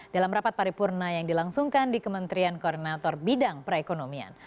dalam rapat paripurna yang dilangsungkan di kementerian koordinator bidang perekonomian